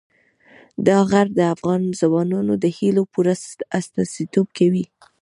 دا غر د افغان ځوانانو د هیلو پوره استازیتوب کوي.